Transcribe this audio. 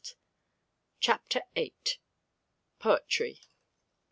CHAPTER VIII. POETRY.